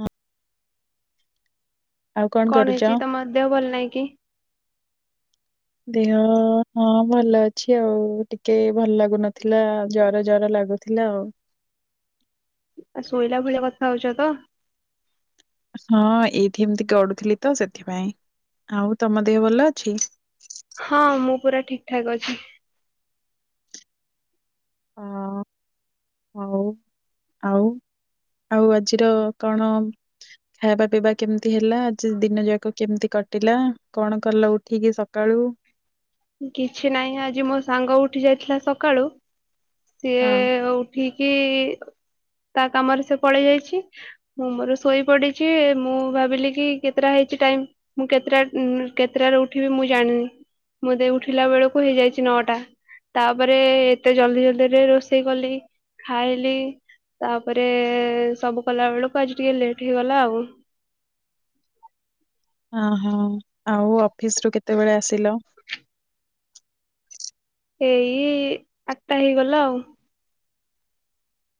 ହଁ। କଣ କରୁଛ? ହେଇଛି ତମ ଦେହ ଭଲ ନାହିଁ କି? ଦେହ ହଁ ଭଲ ଅଛି ଆଉ ଟିକେ ଭଲ ଲାଗୁନଥିଲା ଜର ଜର- ଲାଗୁଥିଲା ଆଉ। ଆ ଶୋଇଲା ଭୁଳିଆ କଥା ହଉଛ ତ। ହଁ ଏଇଠି ଏମିତି ଗଢୁଥିଲି ତ ସେଥିପାଇଁ ଆଉ ତମ ଦେହ ଭଲ ଅଛି। ହଁ ମୁଁ ପୁରା ଠିକ ଠାକ୍ ଅଛି। ହ ହଉ ଆଉ ଆଉ ଆଜିର କଣ ଖାଇବା ପିଇବା କେମିତି ହେଲା ଆଜି ଦିନ ଯାକ କେମିତି କ କଟିଲା କଣ କଲ ଉଠିକି ସକାଳୁ? କିଛି ନାହିଁ ଆଜି ମୋ ସାଙ୍ଗ ଉଠି ଯାଇଥିଲା ସକାଳୁ। ସିଏ ହଁ। ଉଠିକି ତା କାମରେ ସେ ପଳେଇ ଯାଇଛି ମୁଁ ମୋର ଶୋଇ ପଡିଛି ମୁଁ ଭାବିଲି କି କେତେଟା ହେଇ ଟ ମୁଁ କେତେଟା କେତେଟାରେ ଉଠିବି ମୁଁ ଜାଣିନି ମୁଁ ଦେଇ ଉଠିଲା ବେଳକୁ ହେଇଯାଇଛି ନଅଟା ତାପରେ ଏତେ ଜଲ୍ଦି ଜଲଦି ରୋଷେଇ କଲି ଖାଇଲି। ତାପରେ ସବୁ କଲା ବେଳକୁ ଆଜି ଟିକେ ଲେଟ ହେଇଗଲା ଆଉ। ହ ହଁ ଆଉ ଅଫିସ ରୁ କେତେବେଳେ ଆସିଲ? ଏଇ ଆଠଟା ହେଇଗଲା ଆଉ।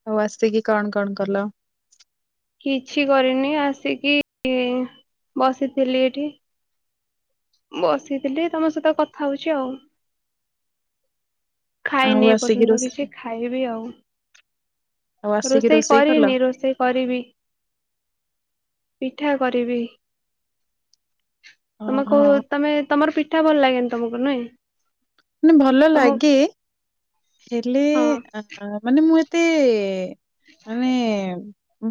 ଆଉ ଆସ କିି କଣ କଣ କଲ? କିଛି କରିନି ଆସିକି ବସିଥିଲି ଏଠି। ମୁ ବସିଥିଲି ତମ ସହିତ କଥା ହଉଛି ଆଉ। ଆଉ ଖାଇନି ଏ ଆସିକି ପର୍ଯ୍ୟନ୍ତ ରୋଷେ କିଛି ଖାଇବି ଆଉ। ଆଉ ଆସିକି ରୋଷେଇ କଲ? କରିନି ରୋଷେଇ କରିବି। ପିଠା କରିବି ତମେ ଓହୋ। କହୁ ତମେ ତମର ପି ଠା ଭଲ ଲାଗେନି ତମକୁ ନାହିଁ? ମାନେ ଭଲ ଲାଗେ ହେଲେ ହଁ ଆ ମାନେ ମୁଁ ଏ ତେ ମାନେ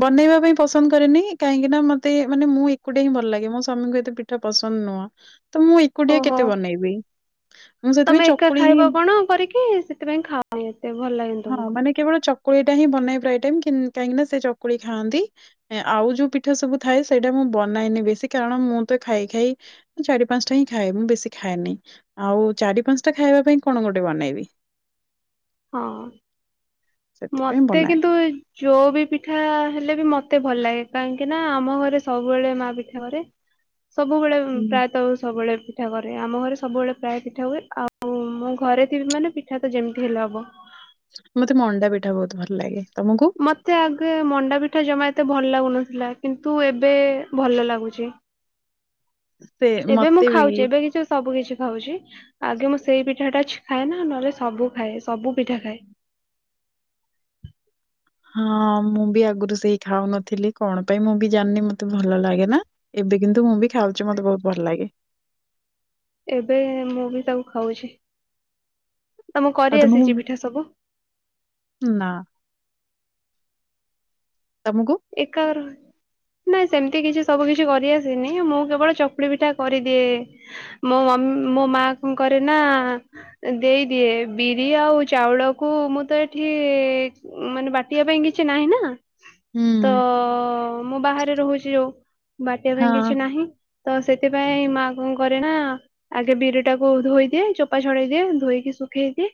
ବନେଇବା ପାଇଁ ପସନ୍ଦ କରେନି କାହିଁକିନା ମତେ ମାନେ ମୁ ଏକୁଟିଆ ହିଁ ଭଲ ଲାଗେ ମୋ ସ୍ଵାମୀଙ୍କୁ ଏତେ ପିଠା ପସନ୍ଦ ନୁହଁ ତ ମୁଁ ଏକୁଟିଆ ଓହୋ କେତେ ବନେଇବି। ମୁଁ ସେଥିପାଇଁ ତମେ ଏକା ଚକୁଳି ହିଁ ଖାଇବ କଣ କରିକି ସେଥିପାଇଁ ଖଅନି ଏତେ ଭଲ ଲାଗେନି ତମକୁ। ଚକୁଳି ଟା ହିଁ ବନେଇ ପ୍ରାୟେ ଟାଇମ କାହିଁକିନା ସେ ଚକୁଳି ଖାନ୍ତି ଆଉ ଯଉ ପିଠା ସବୁ ଥାଏ ସେଇଟା ମୁ ବନାଇନି ବେଶୀ କାରଣ ମୁଁ ତ ଖାଇ ଖାଇ ଚାରି ପାଞ୍ଚଟା ହିଁ ଖାଏ ମୁଁ ବେଶୀ ଖାଏନି ଆଉ ଚାରି ପାଞ୍ଚଟା ଖାଇବା ପାଇଁ କଣ ଗୋଟେ ବନେଇବି। ହଁ ସେଥିପାଇଁ ମତେ ବନାଏନି। କିନ୍ତୁ ଯୋଉ ବି ପିଠା ହେଲେ ବି ମତେ ମତେ ଭଲ ଲାଗେ କାହିଁକି ନା ଆମ ଘରେ ସବୁବେଳେ ମା ପିଠା କରେ ସବୁବେଳେ ପ୍ରାୟତଃ ସବୁବେଳେ ପିଠା କରେ ଆମ ଘରେ ସବୁବେଳେ ପ୍ରାୟ ପିଠା ହୁଏ ଆଉ ମୁଁ ଘରେ ଥିବିି ମାନେ ପିଠା ତ ଯେମିତି ହେଲେ ହ ବ ମତେ ମଣ୍ଡା ପି ମତେ ଆଗେ ମଣ୍ଡା ପିଠା ଜମା ଏତେ ଭଲ ଲାଗୁନ ଥିଲା। କିନ୍ତୁ ଏବେ ଭଲ ଲାଗୁଚି। ସେ ଏବେ ମୁଁ ମତେ ବି ଖାଉଚି ଏବେ କିଛି ସବୁ କିଛି ଖାଉଚି। ଆଗେ ମୁଁ ସେଇ ପିଠାଟା ଛ ଖାଏନା ନହେଲେ ସବୁ ଖାଏ, ସବୁ ପିଠା ଖାଏ। ହଁ ମୁଁ ବି ଆଗୁରୁ ସେଇ ଖାଉନଥିଲି କଣ ପାଇଁ ମୁଁ ବି ଜାଣିନି ମତେ ଭଲ ଲାଗେନା ଏ ବେ କିନ୍ତୁ ମୁଁ ବି ଖାଉଚି ମତେ ବହୁତ ଭଲ ଲାଗେ। ଏବେ ମୁଁ ବି ତାକୁ ଖାଉଚି। ତମକୁ କରି ଆସିଚି ପିଠା ସବୁ? ନା ତମକୁ? ଏକା [unintelligible] ନାଇଁ ସେମତି କିଛି ସବୁ କିଛି କରି ଆସେନି, ମୁଁ କେବଳ ଚକୁଳି ପିଠା କରିଦିଏ ମୋ ମମ ମୋ ମା କଁ କରେନା ଦେଇଦିଏ ବିରି ଆଉ ଚାଉଳକୁ ମୁଁ ତ ଏଠି କି ମାନେ ବାଟିଆ ପାଇଁ କିଛି ନାହିଁ ନା। ତ ହୁଁ ମୁଁ ବାହାରେ ରହୁଚି ଆଉ ବାଟିବା ହଁ ପାଇଁ କିଛି ନାହିଁ। ତ ସେଥିପାଇଁ ମା କଁ କରେ ନା ଆଗେ ବିରି ଟାକୁ ଧୋଇଦିଏ, ଚୋପା ଛଡେଇ ଦିଏ। ଧୋଇକି ଶୁଖେଇକି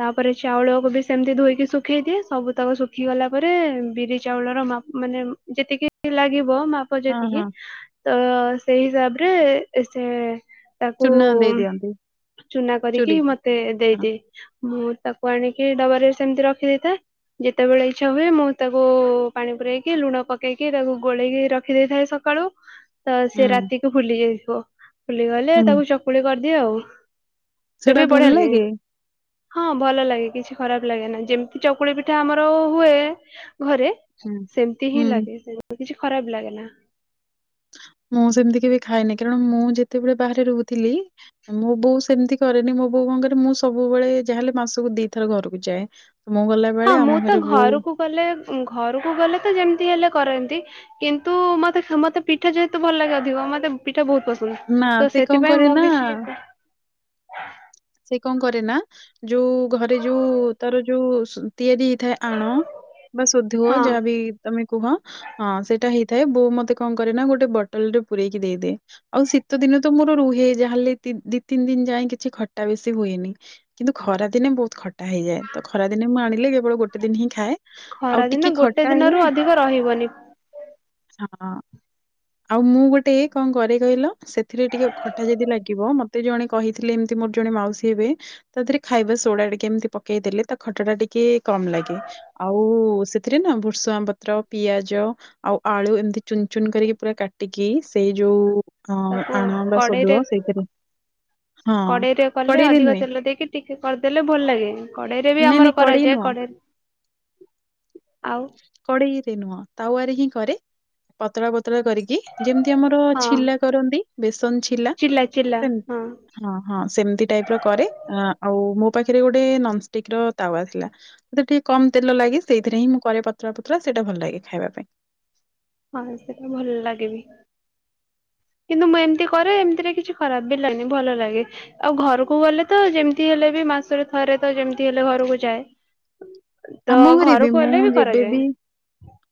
ତାପରେ ଚାଉଳକୁ ବି ସେମତି ଧୋଇକି ଶୁଖେଇ ଦିଏ ସବୁ ତକ ଶୁଖିଗଲା ପରେ ବିରି ଚାଉଳର ମାପ ମାନେ ଯେତିକି ଲାଗିବ, ମାପ ହଁ ଯେତିକି ହଁ ତ ସେଇ ହିସାବରେ ସେ ତାକୁ ଚୂନା ଦେଇ ଦିଅନ୍ତି ଚୁନା କରିକି ଚୁରିକି ମତେ ହଁ ଦେଇଦିଏ ମୁଁ ତାକୁ ଆଣି ଡବାରେ ସେମତି ରଖି ଦେଇଥାଏ ଯେତେବେଳେ ଇଛା ହୁଏ ମୁଁ ତାକୁ ପାଣି ପୁରେଇ କି ଲୁଣ ପକେଇକି ତାକୁ ଗୋଳେଇକି ରଖିଦେଇଥାଏ ସକାଳୁ, ତ ସିଏ ହୁଁ ରାତିକୁ ଫୁଲି ଯାଏ। ବ ଫୁଲିଗଲେ ତାକୁ ଚକୁଳି କରିଦିଏ ଆଉ। ସେ ସେଇଟା ବି ବଢିଆ ଭଲ ଲାଗେ? ହଁ ଭଲ ଲାଗେ କିଛି ଖରାପ ଲାଗେନା ଯେମତି ଚକୁଳି ପିଠା ଆମର ହୁଏ ଘରେ। ହୁଁ। ସେମତି ହିଁ ହୁଁ ଲାଗେ ସେ କିଛି ଖରାପ ଲାଗେନା। ମୁଁ ସେମତି କେବେ ଖାଇନି କାରଣ ମୁଁ ଯେତେବେଳେ ବାହାରେ ରହୁଥିଲି, ମୋ ବୋଉ ସେମତି କରେନି ମୋ ବୋଉ କଣ କରେ ମୁଁ ସବୁବେଳେ ଯା ହେଲେ ମାସକୁ ଦିଥର ଘରକୁ ଯାଏ। ମୁଁ ଗଲା ହଁ ବେଳେ ଆମ ମୁଁ ତ ଘରେ ବୋଉ ଘରକୁ ଗଲେ ଉଁ ଘରକୁ ଗଲେ ତ ଯେମତି ହେଲେ କରନ୍ତି କିନ୍ତୁ ମତେ ମତେ ପିଠା ଯେହେତୁ ଭଲ ଲାଗେ ଅଧିକ ମତେ ପି ଠା ବହୁତ ପସନ୍ଦ, ନା ତ ସେ କଣ ସେଥିପାଇଁ କରେ ମୁଁ କିଛି ନା ସେ କଣ କରେ ନା, ଯୋଉ ଘରେ ଯୋଉ ତାର ଯୋଉ [unintelligible] ତିଆରି ହେଇଥାଏ ଆଣ ବା ସୋଧୁଅ ହଁ ଯାହା ବି ତମେ କୁହ ହଁ ସେଇଟା ହେଇ ଥାଏ। ବୋଉ ମତେ କଣ କରେ ନା ଗୋଟେ ବଟଲରେ ପୁରଇକି ଦେଇଦିଏ ଆଉ ଶୀତଦିନେ ତ ମୋର ରୁହେ ଯାହେଲେ ଦି ତିନ ଦିନ ଯାଏ କିଛି ଖ ଟା ବେଶୀ ହୁଏନି କିନ୍ତୁ ଖରା ଦିନେ ବହୁତ ଖଟା ହେଇଯାଏ। ତ ଖରା ଦିନେ ମୁଁ ଆଣିଲେ କେବଳ ଗୋଟେ ଦିନ ହିଁ ଖାଏ। ଆଉ ଟିକେ ଖରାଦିନେ ଗୋଟେ ଖଟା ହେଲେ ଦିନରୁ ନା ଅଧିକ ରହିବନି। ହଁ। ଆଉ ମୁଁ ଗୋଟେ କଣ କରେ କହିଲ ସେଥିରେ ଟିକେ ଖଟା ଯଦି ଲାଗିବ ମତେ ଜଣେ କହିଥିଲେ ଏମତି ମୋର ଜଣେ ମାଉସୀ ହେବେ, ତା ଧେରେ ଖାଇବା ସୋଡା ଟିକେ ଏମତି ପକେଇଦେଲେ, ତା ଖଟାଟା ଟିକେ କମ ଲାଗେ। ଆଉ ସେଥିରେ ନା ଭୃଷଙ୍ଗ ପତ୍ର, ପିଆଜ, ଆଉ ଆଳୁ ଏମତି ଚୁନ ଚୁନ କରିକି ପୁରା କାଟ ଟିକି ସେଇ ଯୋଉ ଅ ତାକୁ ଆଣ ବା କଡେଇରେ ସୋଦୁଅ ସେଇଥେରେ, ହଁ କଡେଇରେ କଲେ କଡ଼େଇରେ ଅଧିକ ନୁହେଁ। ତେଲ ଦେଇକି ଟିକେ କରିଦେଲେ ଭଲ ଲାଗେ କଡେଇରେ ବି ନାଇଁ ଆମର ନାଇଁ କଡ଼େଇ କରାଯାଏ, ନୁହଁ, କଡେଇ ଆଉ। କଡେଇରେ ନୁହଁ ତାୱାରେ ହିଁ କରେ, ପତଳା ପତ ତଳା କରିକି ଯେମତି ଆମର ହଁ ଛିଲା କରନ୍ତି, ବେସ ନ ଛିଲା ଚିଲା ଚିଲା ସେମ ହଁ ହଁ ହଁ ସେମତି ଟାଇପର କରେ, ଆ ଆଉ ମୋ ପାଖରେ ଗୋଟେ ନନଷ୍ଟିକ ର ତାୱା ଥିଲା, ମତେ ଟିକେ କମ ତେଲ ଲାଗି ସେଇଥିରେ ହିଁ ମୁଁ କରେ ପ ତଳା ପତଳା ସେଇଟା ଭଲ ଲାଗେ ଖାଇବା ପାଇଁ। ମତେ ସେଇଟା ଭଲ ଲାଗେ ବି। କିନ୍ତୁ ମୁଁ ଏମିତି କରେ ଏମିତିରେ କିଛି ଖରାପ ବି ଲାଗେନି ଭଲ ଲାଗେ। ଆଉ ଘରକୁ ଗଲେ ତ ଯେମିତି ହେଲେ ବି ମାସରେ ଥରେ ତ ଯେମିତି ହେଲେ ଘରକୁ ଯାଏ। ତ ଆମ ଘରେ ବି ଘରକୁ ମୁଁ ଗଲେ ଯେବେ କରାଯାଏ ବି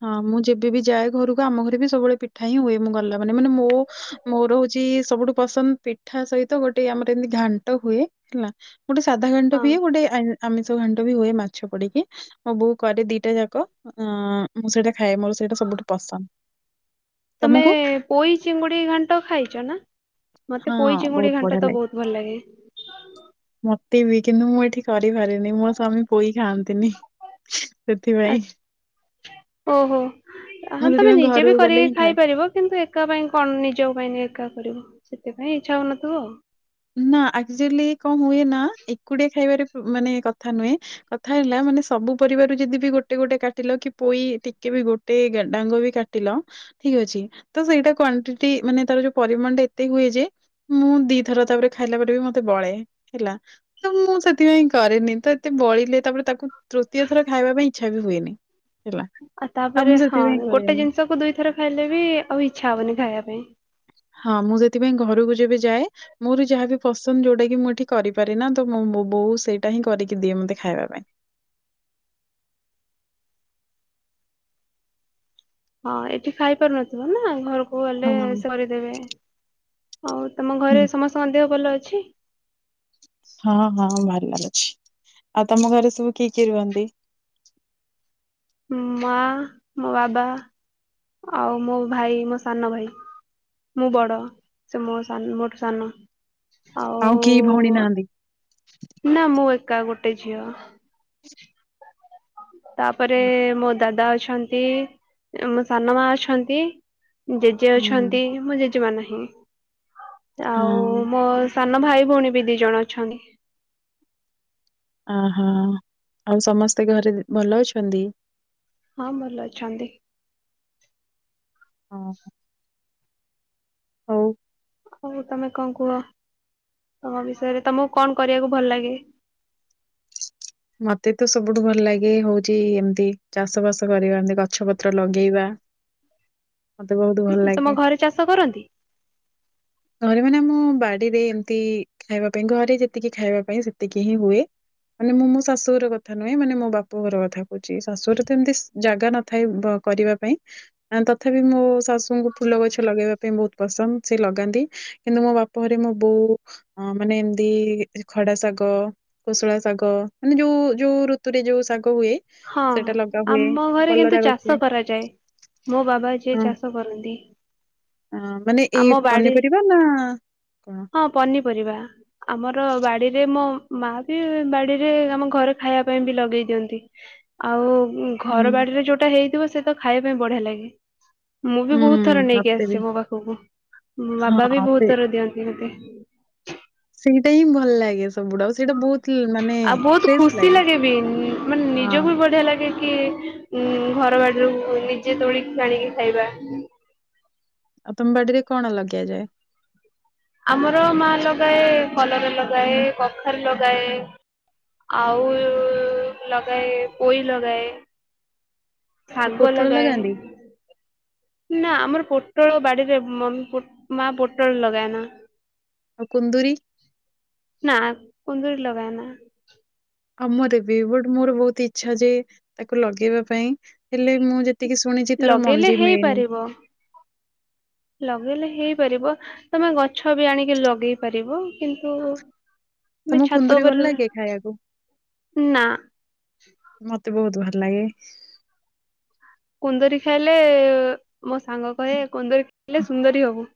ହଁ ମୁଁ ଯେବେ ବି ଯାଏ ଘରକୁ ଆମ ଘରେ ବି ସବୁବେଳେ ପିଠା ହିଁ ହୁଏ। ମୁଁ ଗଲା ମାନେ ମାନେ ମୋ ମୋର ହଉ ଚି ସବୁଠୁ ପସନ୍ଦ ପିଠା ସହିତ ଗୋଟେ ଆମର ଏମିତି ଘାଣ୍ଟ ହୁଏ ହେଲା ଗୋଟେ ସାଧା ଖାଣ୍ଟ ହଁ। ହୁଏ ଗୋଟେ ଆ ଆମିଷ ଘାଣ୍ଟ ବି ହୁଏ ମାଛ ପଡିକି ମୋ ବୋଉ କରେ ଦିଟା ଯାକ। ଉଁ ମୁଁ ସେଇଟା ଖାଏ ମୋର ସେଇଟା ସବୁଠୁ ପସନ୍ଦ। ତମେ ତମକୁ ପୋଇ ଚିଙ୍ଗୁଡି ଘାଣ୍ଟ ଖାଇଛ ନା? ମତେ ହଁ ପୋଇଚିଙ୍ଗୁଡି ବହୁତ ଘାଣ୍ଟ ବଢିଆ ଲାଗେ। ତ ବହୁତ ଭଲ ଲାଗେ। ମୋତେ ବି କିନ୍ତୁ ମୁଁ ଏଠି କରିପାରେନି ମୋ ସ୍ଵାମୀ ପୋଇ ଖାଆନ୍ତିନି। ସେଥିପାଇଁ। ଓ ହୋ ହଁ ମୁଁ ତମେ ସେଥିପାଇଁ ନିଜେ ବି ଘରକୁ ଗଲେ କରିକି ହିଁ ଖାଏ। ଖାଇପାରିବ କିନ୍ତୁ ଏକା ପାଇଁ କଣ ନିଜ ପାଇଁ ଏକା କରିବ। ସେଥିପାଇଁ ଇଛା ହଉନଥିବ ଆଉ। ନା ଆକ୍ଚୁଲି କଣ ହୁଏ ନା ଏକୁଟିଆ ଖାଇବାରେ ମାନେ କଥା ନୁହେଁ, କଥା ହେଲା ମାନେ ସବୁ ପରିବାରୁ ଯଦି ବି ଗୋଟେ ଗୋଟେ କାଟିଲ କି ପୋଇ ଟିକେ ବି ଗୋଟେ ଡାଙ୍ଗ ବି କାଟିଲ ଠିକ ଅଛି ତ ସେଇଟା କ୍ଵଣ୍ଟିଟି ମାନେ ତାର ଯୋଉ ପରିମାଣ ଟା ଏତେ ହୁଏ ଯେ ମୁଁ ଦି ଥର ତାପରେ ଖାଇଲା ପରେ ବି ମତେ ବଳେ ହେଲା ତ ମୁଁ ସେଥିପାଇଁ କରେନି। ତ ଏତେ ବଳିଲେ ତାପରେ ତାକୁ ତୃତୀୟ ଥର ଖାଇବା ପାଇଁ ଇଚ୍ଛା ବି ହୁଏନି। ହେଲା ଆଉ ତାପରେ ମୁଁ ହଁ ସେଥିପାଇଁ ଗୋଟେ କରେନି। ଜିନିଷକୁ ଦୁଇଥର ଖାଇଲେ ବି ଆଉ ଇଚ୍ଛା ହବନି ଖାଇବା ପାଇଁ। ହଁ ମୁଁ ସେଥିପାଇଁ ଘରକୁ ଯେବେ ଯାଏ ମୋର ଯାହାବି ପସନ୍ଦ ଯୋଉଟା କି ମୁଁ ଏଠି କରିପାରେନା, ତ ମୁଁ- ମୁଁ ବୋଉ ସେଇଟା ହିଁ କରିକି ଦିଏ ମତେ ଖାଇବା ପାଇଁ। ହଁ ଏଠି ଖାଇ ପାରୁନଥିବ ନା ଘରକୁ ଗଲେ ହଁ ସେ କରିଦେବେ। ଆଉ ତମ ହୁଁ ଘରେ ସମସ୍ତଙ୍କ ଦେହ ଭଲ ଅଛି? ହଁ ହଁ ଭଲ ଅଛି ଆଉ, ତମ ଘରେ ସବୁ କିଏ କିଏ ରୁହନ୍ତି? ମା, ମୋ ବାବା ଆଉ ମୋ ଭାଇ ମୋ ସାନ ଭାଇ। ମୁଁ ବଡ ସେ ମୋ ସାନ ମୋଠୁ ସାନ। ଆଉ କେହି ଭଉଣୀ ନାହାନ୍ତି? ନା ମୁଁ ଏକା ଗୋଟେ ଝିଅ। ତାପରେ ହୁଁ ମୋ ଦାଦା ଅଛନ୍ତି, ମୋ ସାନ ମା ଅଛନ୍ତି। ଜେଜେ ଅଛନ୍ତି, ମୋ ଜେଜେମା ନାହିଁ। ଆଉ ହଁ ମୋ ସାନ ଭାଇ ଭଉଣୀ ବି ଦି ଜଣ ଅଛନ୍ତି। ଅ- ହଁ ଆଉ ସମସ୍ତେ ଘରେ ଭଲ ଅଛନ୍ତି? ହଁ ଭଲ ଅଛନ୍ତି। ଓ ହୋ ହଉ। ହଉ ତମେ କଣ କୁହ, ତମ ବିଷୟରେ ତମକୁ କଣ କରିବାକୁ ଭଲ ଲାଗେ? ମତେ ତ ସବୁଠୁ ଭଲ ଲାଗେ ହଉଚି, ଏମତି ଚାଷ ବାସ କରିବା ଏମିତି ଗଛ ପତ୍ର ଲଗେଇବା। ମତେ ବହୁତ୍ ଭଲ ତମ ଲାଗେ। ଘରେ ଚାଷ କରନ୍ତି? ଘରେ ମାନେ ମୁଁ ବାଡିରେ ଏମିତି ଖାଇବା ପାଇଁ ଘରେ ଯେତିକି ଖାଇବା ପାଇଁ ସେତିକି ହିଁ ହୁଏ। ମାନେ ମୁଁ ମୋ ଶାଶୁଘର କଥା ନୁହେଁ ମାନେ ମୋ ବାପା ଘର କଥା କହୁଛି। ଶାଶୁଘରେ ତ ଏମିତି ଜାଗା ନ ଥାଏ ବ କରିବା ପାଇଁ। ତଥାପି ମୋ ଶାଶୁଙ୍କୁ ଫୁଲ ଗଛ ଲଗେଇବା ପାଇଁ ବହୁତ ପସନ୍ଦ ସେ ଲଗାନ୍ତି। କିନ୍ତୁ ମୋ ବାପ ବାପଘରେ ମୋ ବୋଉ ମାନେ ଏମତି ଖଡା ଶାଗ, କୋ ଶଳା ଶାଗ ମାନେ ଯୋଉ ଯୋଉ ଋତୁରେ ଯୋଉ ଶା ହଁ ଆମ ଘରେ କଲରା କିନ୍ତୁ ଗଛ ଚାଷ କରାଯାଏ। ମୋ ବାବା ଯିଏ ଚାଷ କରନ୍ତି। ହଁ ମାନେ ଏ ଆମ ବାଡି ପନିପରିବା ନା କଣ? ହଁ ପନିପରିବା ଆମର ବାଡିରେ ମୋ ମା ବି ବାଡିରେ ଆମ ଘରେ ଖାଇବା ପାଇଁ ବି ଲଗେଇ ଦିଅନ୍ତି। ଆଉ ଉ ହୁଁ ଘର ବାଡିରେ ଯୋଉଟା ହେଇଥିବ ସେ ତ ଖାଇବା ପାଇଁ ବଢିଆ ଲାଗେ। ମୁଁ ବି ହୁଁ ବହୁତ ଥର ନେଇକି ମତେ ବି। ଆସିଛି ମୋ ପାଖକୁ ମୋ ବାବା ବି ହଁ ବହୁତ ସେ ଥର ଦିଅନ୍ତି ମୋତେ ସେଇଟା ହିଁ ଭଲ ଲାଗେ ସବୁଡା ଆଉ ସେଇଟା ବହୁତ୍ ଆଉ ବହୁତ୍ ଖୁସି ଲାଗେ ବି ମାନେ ହଁ ନିଜକୁ ବି ବଢିଆ ଲାଗେ କି ଘର ବାଡିରୁ ନିଜେ ତୋଳିି କି ଆଣିକି ଖାଇବା। ଆଉ ତୁମବାଡିରେ କଣ ଲଗାଯାଏ? ଆମର ମା ଲଗାଏ କଲରା ଲଗାଏ, କଖାରୁ ଲଗାଏ ଆଉ ଲଗାଏ ପୋଇ ଲଗାଏ। ଆଉ ଶାଗ ପୋଟଳ ଲଗାଏ ଲଗାନ୍ତି? ନା ଆମର ପୋଟଳ ବାଡ଼ିରେ ମ ମାଆ ପୋଟଳ ଲଗାଏ ନା ଆଉ କୁନ୍ଦୁରୀ ନା କୁନ୍ଦୁରି ଲଗାଏ ନାଁ। ଆମର ବି ବଟ୍ ମୋର ବହୁତ୍ ଇଛା ଯେ ତାକୁ ଲଗେଇବା ପାଈଁ। ହେଲେ ମୁଁ ଯେ ଲଗେଇଲେ ହେଇପାରିବ। ଲଗେଇଲେ ହେଇ ପାରିବ। ତମେ ଗଛ ବି ଆଣିକି ଲାଗିପାରିବ ତମକୁ କୁନ୍ଦୁରି ଭଲ ଲାଗେ ଖାଇବାକୁ? ନା ନାଇ କୁନ୍ଦରି ଖାଇଲେ ମୋ ସାଙ୍ଗ କହେ କୁନ୍ଦୁରି ଖାଇଲେ ସୁନ୍ଦରୀ ହୋବୁ।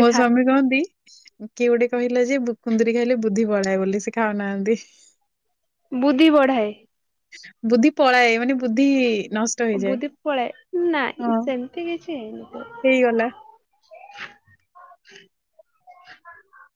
ମୋ ସ୍ଵାମୀ କହନ୍ତି କିଏ ଗୋଟେ କହିଲା ଯେ କୁନ୍ଦୁୁରୀ ଖାଇଲେ ବୁ ବୁଦ୍ଧି ପଳାଏ ବୋଲି ସେ ଖାଉନାହାନ୍ତି। ବୁଦ୍ଧି ବଢାଏ ବୁଦ୍ଧି ପଳାଏ ମାନେ ବୁଦ୍ଧି ନଷ୍ଟ ହେଇଯାଏ। ବୁଧି ପଳାଏ ହଁ ନାଇଁ ସେମିତି କିଛି ହେଇନି ଏଵେ। ହେଇଗଲା। [unintelligible]